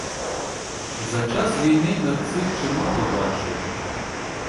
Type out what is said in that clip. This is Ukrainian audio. За час війни мерців чимало бачив.